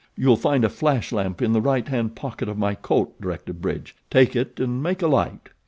"You'll find a flash lamp in the right hand pocket of my coat," directed Bridge. "Take it and make a light."